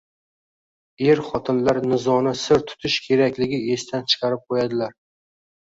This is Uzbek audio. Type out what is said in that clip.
er-xotinlar nizoni sir tutish kerakligi esdan chiqarib qo‘yadilar.